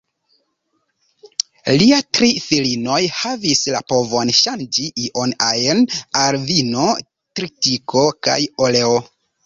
Lia tri filinoj havis la povon ŝanĝi ion-ajn al vino, tritiko kaj oleo.